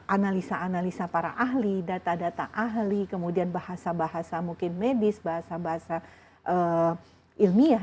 analisa analisa para ahli data data ahli kemudian bahasa bahasa mungkin medis bahasa bahasa ilmiah